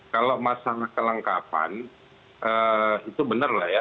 kalau masalah kelengkapan itu benar lah ya